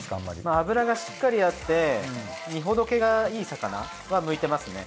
脂がしっかりあって身ほどけがいい魚は向いてますね。